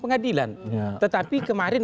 pengadilan tetapi kemarin